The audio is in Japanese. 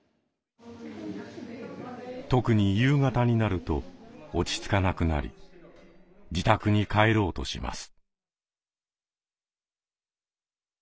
特に夕方になると落ち着かなくなり自宅に帰ろうとします。